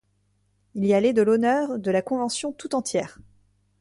Il y allait de l’honneur de la convention tout entière.